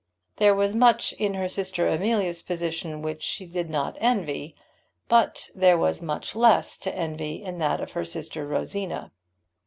There was much in her sister Amelia's position which she did not envy, but there was less to envy in that of her sister Rosina.